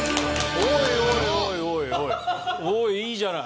おおいいじゃない。